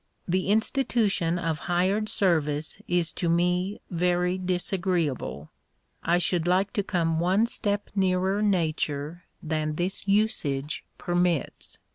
The institution of hired service is to me very disagreeable. I should lite to come one step nearer nature than this usage permits.